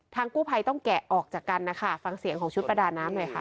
ทางกู้ภัยต้องแกะออกจากการนะฮะฟังเสียงของชุฟราดาน้ำด้วยคะ